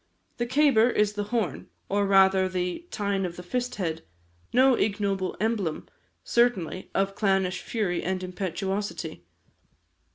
The cabar is the horn, or, rather, the "tine of the first head," no ignoble emblem, certainly, of clannish fury and impetuosity.